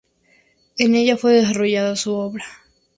En ella fue desarrollando su obra.